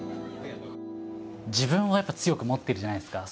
自分をやっぱ強く持ってるじゃないですか。